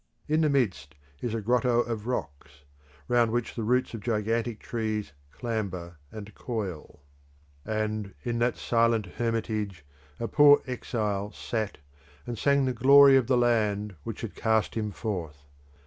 In the midst is a grotto of rocks, round which the roots of gigantic trees clamber and coil; and in that silent hermitage a poor exile sat and sang the glory of the land which had cast him forth.